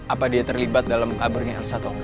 apa dia terlibat dalam kaburnya elsa atau engga